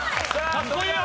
かっこいいよ！